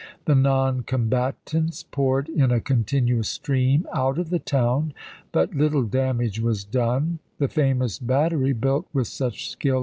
The non combatants poured in a continuous stream out of the town; but little damage was FORT WAGNER 441 done. The famous battery, built with such skill chap.